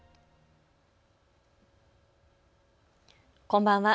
こんばんは。